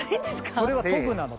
それは「とぐ」なの。